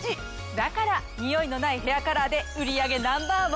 だからニオイのないヘアカラーで売上Ｎｏ．１！